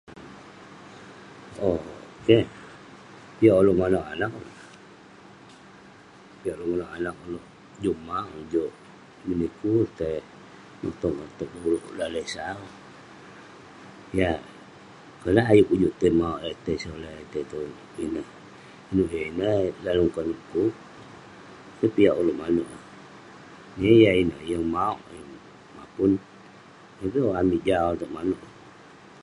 Auk keh, piak ulouk manouk anag ulouk neh. Piak ulouk manouk anag ulouk juk mauk neh, juk [unintelligible] [unintelligible] [unintelligible] Yah, konak ayuk kok juk tai mauk, tai solai tai tong ineh. inouk yah ineh eh dalem konep kuk? keh piak ulouk manouk eh. Yeng yan ineh, yeng mauk yeng mapun. [unintelligible] amik jau itouk manouk.